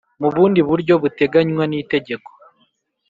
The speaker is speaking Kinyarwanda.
Mu bundi buryo buteganywa n itegeko